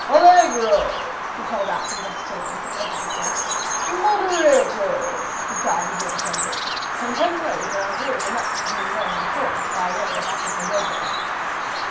"Allegro!" he called out to the postilions at every ascent. "Moderato!" he cried as they descended. And heaven knows there are hills enough between Rome and Florence by the way of Aquapendente!